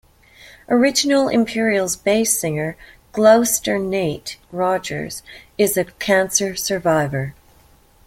Original Imperials bass singer Glouster "Nate" Rogers is a cancer survivor.